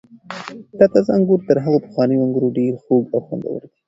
دا تازه انګور تر هغو پخوانیو انګور ډېر خوږ او خوندور دي.